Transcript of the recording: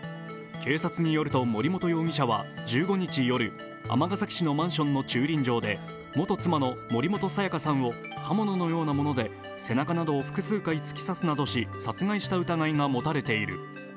警察によると森本容疑者は１５日の夜、尼崎市のマンションの駐輪場で元妻の森本彩加さんを刃物のようなもので背中などを複数回突き刺すなどし殺害した疑いが持たれている。